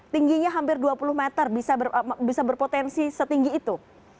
tingginya hampir dua puluh meter bisa berpotensi setinggi itu